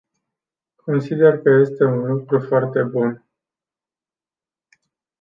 Consider că este un lucru foarte bun.